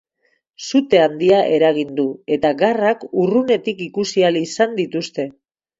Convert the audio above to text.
Sute handia eragin du, eta garrak urrunetik ikusi ahal izan dituzte.